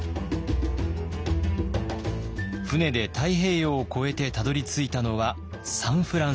船で太平洋を越えてたどりついたのはサンフランシスコ。